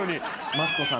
マツコさん